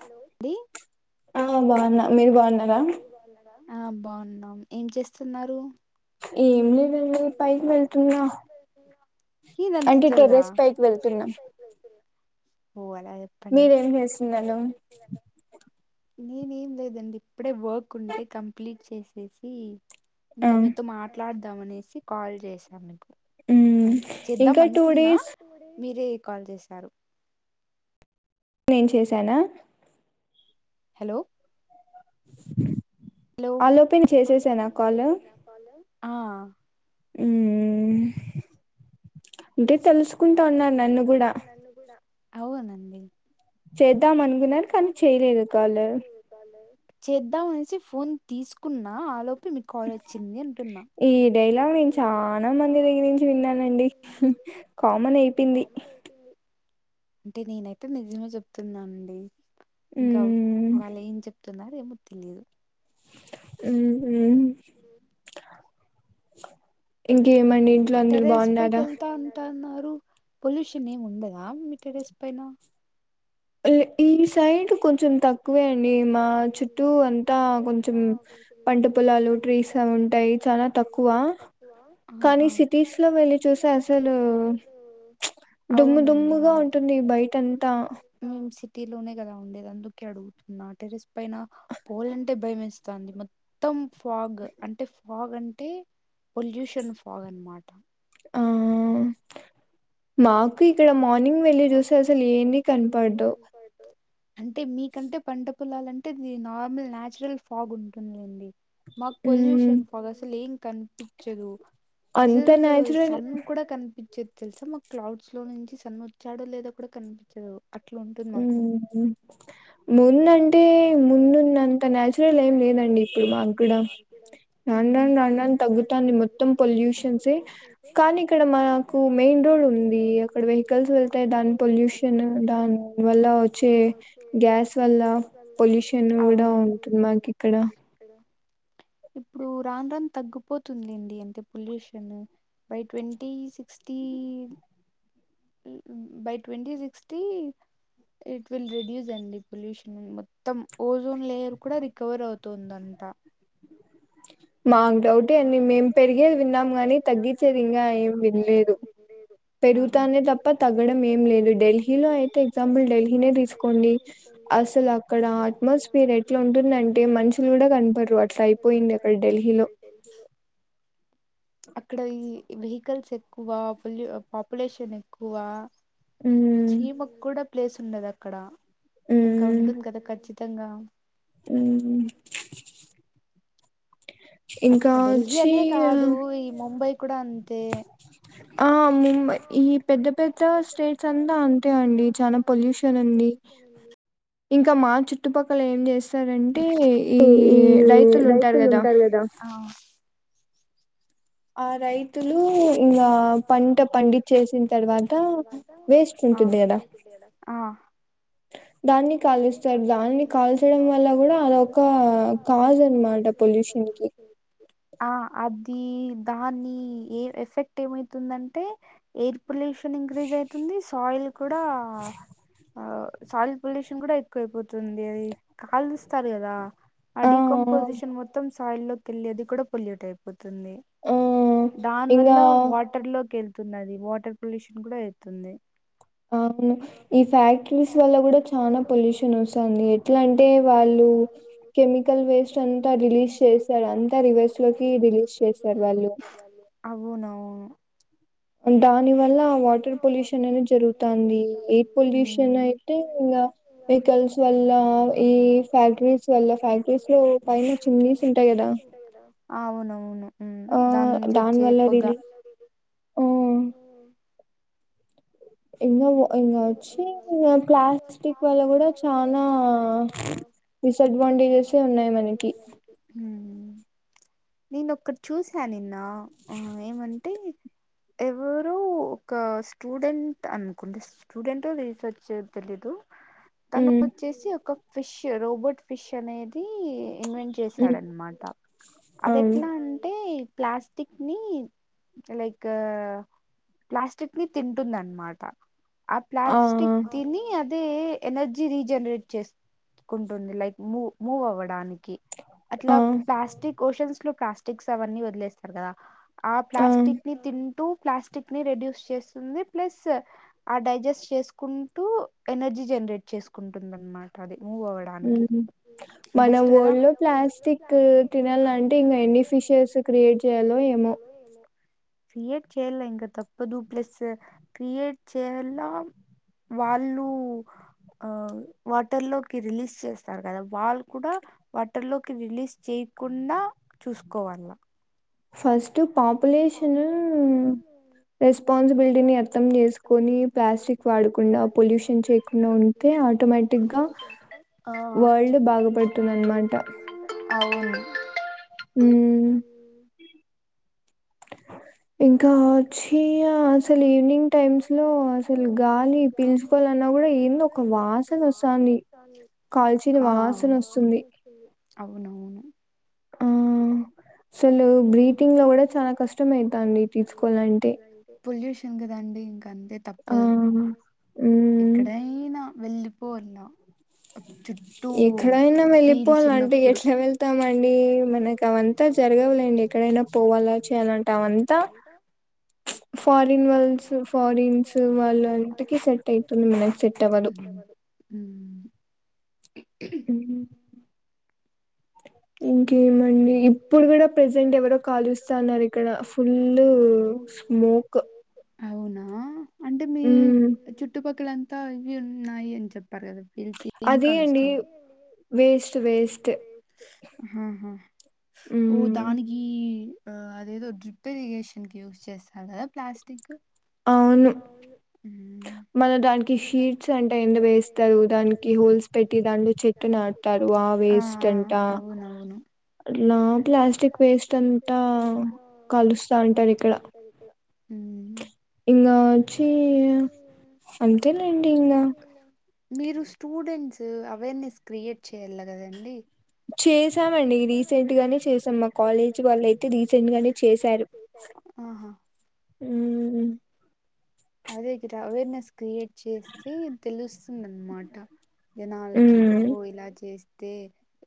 Hello ఆ బాగున్నాం ఏం చేస్తున్నారు ఏమి లే పైకి వెళ్తున్నా అంటే టెర్రస్ పైకి వెళ్తున్నాం ఓ మీరేం చేస్తున్నారును నేనేం లేదండి అప్పుడే వర్క్ ఉంటే కంప్లీట్ చేసేసి ఇంకా మీతో మాట్లాడు తమనిసి సి కాల్ చేసాం మీకు అంటే చేద్దాం అనుకున్నాా మీరే కాల్ చేశారు నేను చేశానా హలో ఆలోపే చేసేసానా కాలు ఆ అంటే తెలుసుకుంటా ఉన్నావ్ నన్ను కూడా అవునందడి చేద్దాం అనుకున్నారు కానీ చేయలేదు కాల్ చేద్దాం అనేసి ఫోన్ తీసుకున్నా ఆలో మీ కాల్ వచ్చింది అంటున్నా డైలాగ్ నేను చాలా మంది దగ్గర నుంచి విన్నానండి కామన్ అయిపోయింది అంటే నేనైతే నిజమే చెప్తున్నానండి ఇంకా వాళ్ళ ఏం చెప్తున్నారు ఏమోతెలిదు అ ఇంకేమండి ఇంట్లో అందరు బాగున్నారా పొల్యూషన్ ఏమి ఉండదా మీ టెరస్ పైన ఈ సైడ్ కొంచెం తక్కువే అండి మా చుట్టూ అంతా కొంచెం పంట పొలాలు ట్రీస్ అవి ఉంటాయి చాలా తక్కువ కానీ సిటీస్ లో వెళ్లిి చూస్తే అసలు దుమ్ము దుమ్ముగా ఉంటుంది బయట అంతా [inaudible] టీలోనే కదా ఉండేది అందుకే అడుగుతున్నా టెరెస్ పైన పోవలంటే భయమేస్త దానిది మొత్తం ఫాగ్ అంటే ఫాగ్ అంటే అంటే పొల్యూషన్ ఫాగ్ అనమాట ఆ ఓ మాకు ఇక్కడ మార్నింగ్ వెళ్ళి చూస్తే అసలు ఏమీ కనపడదు అంటే మీకంటే పంట పొలాలంటే నార్మల్ నాన్చురల్ ఫాగ్ ఉంటుందండి మాకు పొల్యూషన్ పోగసలు ఏం కనిపిచ్చదు అసలు సన్ కూడా కనిపిచద్ తెలుసా మాకు క్లౌడ్ లో నుంచి సన్న వచ్చాడో లేదో కూడా కనిపిచ్చదు ఉ ముందంటే ముందున్నంత నాచురల్ ఏం లేదండి ఇప్పుడు మాకూడ రాను రాను తగ్గుతాంది మొత్తం పొల్యూషన్సే కానీ ఇక్కడ మాకు మెయిన్ రోడ్ ఉంది అక్కడ వెహికల్స్ వెళ్తాయి దాని పొల్యూషన్ దాని మళ్ళావచ్చి గ్యాస్ గ్యాస్ [inaudible] ఇప్పుడు రాన్ రాన్ తగ్గిపోతుంది అండి అంటే pollution by twenty sixty by twenty sixty it will reduce అండి పొల్యూషన్ ఉ మొత్తం ఓజోన్ లేయర్ కూడా రికవర్ అవుతుందంట మాకు డౌట్ే అని మేము పెరిగేది విన్నాము గాని తగ్గించేది ఇంకా ఏం వినలేదు పెరుగుతానే తప్ప తగ్గడం ఏం లేదు ఢిల్లీలో అయితే ఎగ్జాంపుల్ ఢిల్లీనే తీసుకోండి అసలు అక్కడ అట్మాస్ఫియర్ ఎట్లా ఉంటుందంటే మనుషులు కూడా కనపడరు అట్లా అయిపోయింది అక్కడ ఈ వెహికల్స్ ఎక్కువ పాపులేషన్ ఎక్కువ చీ మకుడ ప్లేస్ ఉండది అక్కడ ఇంకా ఉంటుంది కదా ఖచ్చితంగా తంగా అ డెల్హి అనే కాదు ఈ ముంబై ఆ ముంబ ఈ పెద్ద పెద్ద స్టేట్స్ అంతా అంతే అండి చాలా పొల్యూషన్ ఉంది ఇంకా మార్చు చుట్టుపక్కల ఏం చేస్త సరంటే ఈ రైతులు ఉంటారు కదా ఆ రైట్ ఇ పంట పండించేసిన తర్వాత దాన్ని కాలుస్తారు దాన్ని కాల్చడం వల్ల కూడా కాస్ అన్నమాట పొల్యూషన్ కి దాన్ని ఏ ఎఫెక్ట్ ఏమైతుందంటే ఎర్ పా పొల్యూషన్ ఇంక్రీజ్ అవుతుంది సాయిల్ కూడా సాయిల్డ్ పొల్యూషన్ కూడా ఎక్కువైపోతుంది అది కాళ ఇస్తారు కదా ఆ డికంపోజిషన్ మొత్తం ఆయిల్లో లోకిళ్ళ అది కూడా పొల్యూట్ అయిపోంది ంది దాన్ వల్ల వాటర్ లోకి ఉన్నది వాటర్ పొల్యూషన్ కూడా అవుతుంది అవును ఈ ఫ్యాక్టరీస్ వల్ల కూడా చాల పొల్యూషన్ వస్తుంది ఎట్లా అంటే వాళ్ళు కెమికల్ వేస్ట్ అంతా రిలీజ్ చేస్తారు అంతా రివర్స్ లోకి రిలీజ్ చేస్తారు వాళ్ళు అవునవు దాని వల్ల వాటర్ పొల్యూషన్ అనేది జరుగుతుంది ఎయిర్ పొల్యూషన్ అయితే ఇంకా వెహికల్స్ వల్ల ఈ ఫ్యాక్టరీస్ వల్ల ఫ్యాక్టరీస్ లో పైన చినీస్ ఉంటాయి కదా అవునవును ఉమ్ దాని నుంచి ల్ల ఇంకా ఇంకా వచ్చి ప్లాస్టిక్ వల్ల కూడా చాలా డిసడ్వాంటేజెస్ ఎ ఉన్నాయి మనకి నేనుొక్కటి చూసాను నిన్న ఏమంటే ఎవరు ఒక స్టూడెంట్ అన్న కొన్ని స్టూడెంట రీసెర్చ్ తెలియదు తను వచ్చేసి ఒక ఫిష్ రోబోట్ ఫిష్ అనేది ఇన్వెంట్ చేశాడనమాట అది ఎట్లా అంటే ప్లాస్టిక్ ని లైక్ ప్లాస్టిక్ ని తింటుంద అనమాట ఆ ప్లాస్టక్ తిన్ని అ అయితే ఎనర్జీ రీజనరేట్ చేసుకుంటుంది లైక్ మూ మూవ్ అవ్వడానికి అట్లా ప్లాస్టిక్ ఓషన్స్ లో ప్లాస్టిక్స్ అవన్నీ వదిలేస్తారు కదా ఆ ప్లాస్టిక్ ని తింటూ ప్లాస్టిక్ ని రెడ్యూస్ చేస్తుంది ప్లస్. ఆ డైజెస్ట్ చేసుకుంటూ ఎనర్జీ జెనరేట్ చేసుకుంటుంద అనమాట అది మనం ఓల్డ్ లో ప్లాస్టిక్ తినాలంటే ఇంకా ఎన్ని ఫిషర్స్ క్రియేట్ చేయాలో ఏమో క్రియేట్ చేయలే ఇంక తప్పదుూ ప్లస్ క్రియేట్ చేయలా వాళ్ళు ఆ వాటర్ లోకి రిలీజ్ చేస్తారు కదా వాళ్ళు కూడా వాటర్ లోకి రిలీజ్ చేయకుండా చూసుకోవాల ఫస్ట్ పాపులేషన్ రెస్పాన్సిబిలిటీని అర్థం చేసుకొని ప్లాస్టిక్ వాడకుండా పొల్యూషన్ చేయకుండా ఉంటే ఆటోమేటిక్గా వరల్డ్ బాగుపడుతుంది అన్నమాట అవును హ ఇంకా వచ్చయా అసలు ఈవినింగ్ టైమ్స్ లో అసలు గాలి పీల్చుకోవాలిన్నా కూడా ఏందిో ఒక వాసన వస్తుంది కాల్చిన వాసన వస్తుంది అవునవును ఆ అసలు బ్రీతింగ్ లో కూడా చాలా కష్టమ అవుతండి తీసుకు. కులాంటంటి పొల్యూషన్ కదండండి ఇంకా అయితే తప్పదు ఎక్కడైనా వెళ్ళిపోన్నా ఎక్కడైనా వెళ్ళిపోవాల అంటే ఎట్లా వెళ్తామ అండి మనకు అవంతా జరగవలేండి ఎక్కడైనా పోవాలా చేయాలంటే అవంతా ఫారిన్ వాళ్ ఫారిన్స్ వాళ్ళు ఇంటికి సెట్ అవుతుంది మనకు సెట్ అవ్వదు హ అ ఇంకేమండి ఇప్పుడు కూడా ప్రజెంట్ ఎవరో కాలుస్తాన్నారు ఇక్కడ ఫుల్ స్మోక్ అవునా అంటే మీ చుట్టుపక్కలం [unintelligible] ఉన్నాయని చెప్పి చెప్ప కదా పీల్ ఇంకా [unintelligible] వేస్టే మ్మ్ ఈ అదేదో డ్రిప్ ఇరిగేషన్ కి యూజ్ చేస్తారు కదా ప్లాస్టిక్. అవును మల్ల దానికి షీట్స్ అంటా ఏందో వేస్తారు దానికి హోల్స్ పెట్టి దాంట్లో చెట్టు నాడతారు ఆ వేస్ట్ అంటా అట్లా ప్లాస్టిక్ వేస్ట్ అంతా కలుస్తా ఉంటది ఇక్కడ మీరు స్టూడెంట్స్ అవేర్నెస్ క్రియేట్ చేయాలి కదండి చేసామండి రీసెంట్ గానే చేసాం మా కాలేజీ వాళ్ళ అయితే రీసెంట్ గానే చేశారు అదే గద అవేర్నెస్ క్రియేట్ చేస్తే తెలుస్తుంది అనమాట జనాలకి ఓహో ఇలా చేసి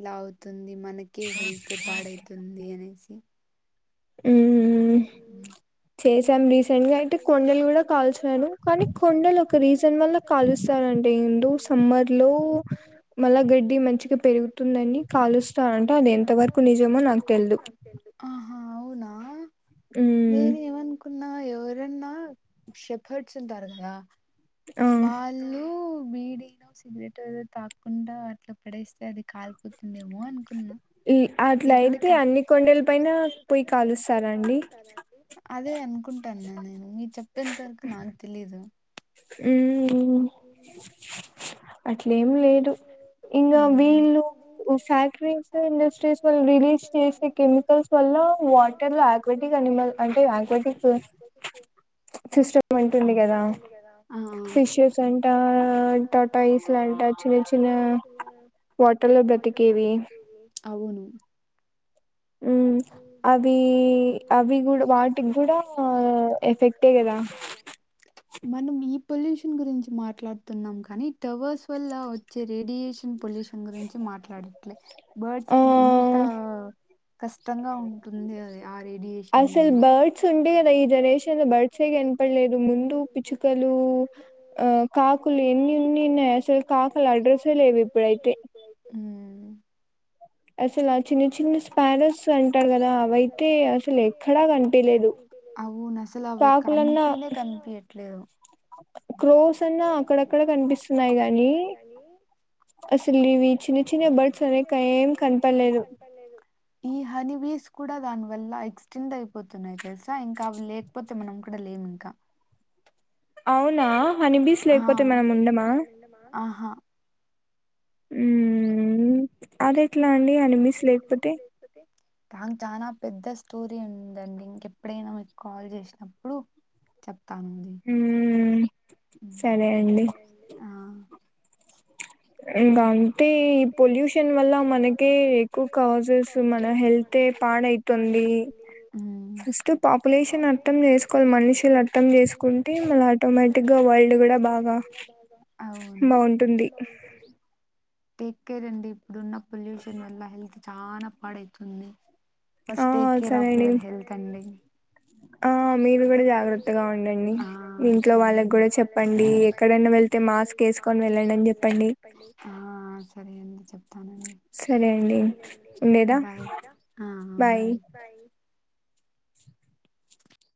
ఇలా అవుతుంది ఇది మనకే హెల్త్ పాడైతుంది అనేసి అ అ చేసాం రీసెంట్గా అయితే కొండలు కూడా కాల్చిను కానీ కొండలు ఒక రీజన్ వల్ల కాలుస్తానంటే ఏందో సమ్మర్ లో మళ్ళా గడ్డి మంచిగా పెరుగుతుందని కాలుస్తారంట అది ఎంత వరకు నిజమో నాకు తెలిదు నేను ఏం అనుక్ న్నా ఎవరన్నా షఫర్డ్స్ ఉంటారు కదా వాళ్ళు బిడినో సిగరెట్ ఏదో తాక్కుండా అట్లా పెడేస్తే అది కాలపోతుందేమో అనుకు ఈ అట్ల అయితే అన్ని కొండల పైన పోయి కాలుస్తారా అండి అదే అనుకుంటా అన్న నేను మీ చెప్పేంత వరకు నాకు తెలీదు అ అట్లే ఏం లేదు ఇంకా వీళ్ళు ఫ్యాక్టరీస్ ఇండస్ట్రీస్ వల్ల రిలీజ్ చేసే కెమికల్స్ వల్ల వాటర్ లో యాక్వెటిక్ అనిమల్ అంటే యాక్వెటిక్ సిస్టమ్ ఉంటుంది కదా ఫిషెస్ అంట. ఇలాంట చిన్న చిన్న వాటర్లు బ్రతికేవి అవును మనం పొల్యూషన్ గురించి మాట్లాడుతున్నాం కానీ టవర్స్ వల్లా వచ్చే రేడియేషన్ పొల్యూషన్ గురించి మాట్లాడట్లే బర్డ్స్ కి ఎంత కస్త కష్టంగా ఉంటుంది అది ఆ రేడియేషన్ వల్ల కాకలడ్రసే లేవు ఇప్పుడైతే అవును అసలు అవి కనిపనే కన్పియ్యట్లేదు క్రోస్ అన్నా అక్కడక్కడ కనిపిస్తున్నాయి కానీ ఈ హనిబీస్ కూడా దాని వల్ల ఎక్స్టెండ్ అయిపోతున్నది తెలుసా ఇంకా అవి లేకపోతే మనం కూడా లేము ఇంక అవునా హానిబిస్ లేకపోతే మనం ఉండమా ఆహా ఉమ్ అదెట్లా అండి హనీబీస్ లేకపోతే దాని చానా పెద్ద స్టోరీ ఉందండి ఇంకెప్పుడైనా మీకు కాల్ చేసినప్పుడు చెప్ తనంది ఆ మ్ అవును టేక్ కేర్ అండి ఇప్పుడున్నప్పు పొల్యూషన్ వల్ల హెల్త్ చానా పాడైతుంది first take care of your health అండి ఆ మీరు కూడా జాగ్రత్తగా ఉండండి ఇంట్లో వాళ్ళక్కూడా చెప్పండి ఎక్కడైనా వెళ్తే మాస్కేసుకొని వెళ్ళండి అని చెప్పండి ఆ సరే అండి చెప్తానండి బాయ్ ఆ బాయ్